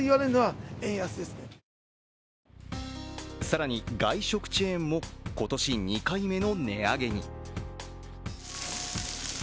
更に外食チェーンも今年２回目の再値上げに。